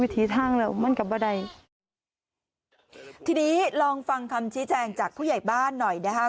ทีนี้ลองฟังคำชี้แจงจากผู้ใหญ่บ้านหน่อยนะคะ